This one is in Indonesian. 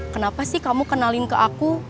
kenapa sih kamu kenalin ke aku